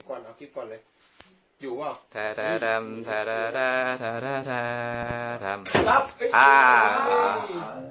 คลิปก่อนเอาคลิปก่อนเลย